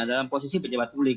dalam posisi pejabat publik